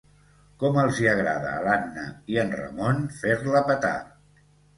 Com els hi agrada a l'Anna i en Ramon fer-la petar.